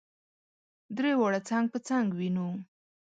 درې واړه څنګ په څنګ وینو.